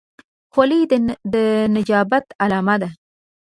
خولۍ د نجابت علامه ده.